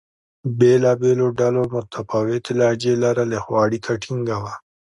بېلابېلو ډلو متفاوتې لهجې لرلې؛ خو اړیکه ټینګه وه.